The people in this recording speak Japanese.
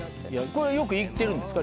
これよく行ってるんですか？